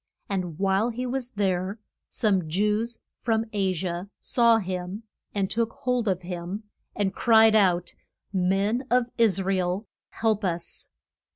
And while he was there some Jews from A si a saw him and took hold of him, and cried out, Men of Is ra el, help us.